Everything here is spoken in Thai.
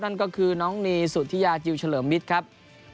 นั่นก็คือน้องนีสุธิยาจิลเฉลิมมิตรครับ